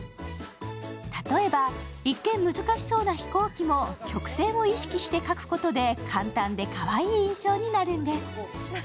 例えば、一見難しそうな飛行機も曲線を意識して描くことで簡単でかわいい印象になるんです。